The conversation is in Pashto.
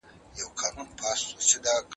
دا نه منم چي صرف ټوله نړۍ كي يو غمى دئ